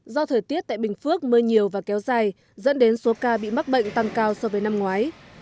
do thời tiết tại bình phước mưa nhiều và kéo dài dẫn đến số ca bị mắc bệnh tăng cao so với năm ngoái